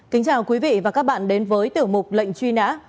kính chào quý vị và các bạn đến với tiểu mục lệnh truy nã